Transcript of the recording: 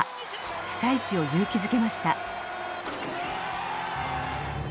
被災地を勇気づけました。